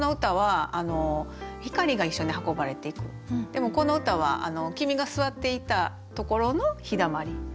でもこの歌は君が座っていたところの日だまり。